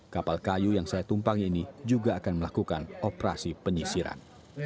kapal kayu yang saya tumpangi ini juga akan melakukan operasi penyisiran